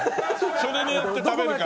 それによって食べるから。